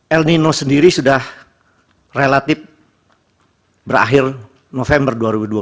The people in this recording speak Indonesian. el nino sendiri sudah relatif berakhir november dua ribu dua puluh